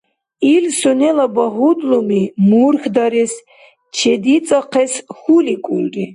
Ил сунела багьудлуми мурхьдарес, чедицӀахъес хьуликӀулри.